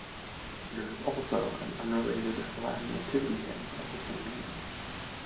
There is also an unrelated Latin Nativity hymn of the same name.